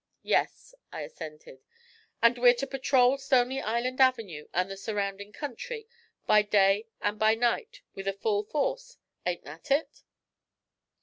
'Yes,' I assented. 'And we're to patrol Stony Island Avenue and the surrounding country by day and by night, with a full force. Ain't that it?'